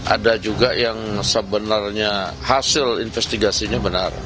ada juga yang sebenarnya hasil investigasinya benar